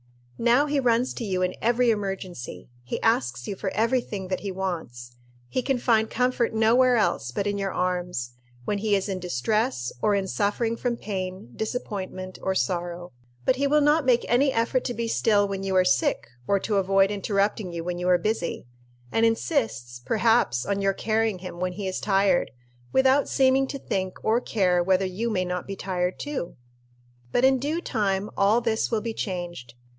Now he runs to you in every emergency. He asks you for every thing that he wants. He can find comfort nowhere else but in your arms, when he is in distress or in suffering from pain, disappointment, or sorrow. But he will not make any effort to be still when you are sick, or to avoid interrupting you when you are busy; and insists, perhaps, on your carrying him when he is tired, without seeming to think or care whether you may not be tired too. But in due time all this will be changed.